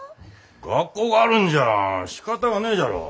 学校があるんじゃしかたがねえじゃろ。